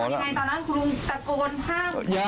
ตอนนั้นคุณลุงตะโกนห้าม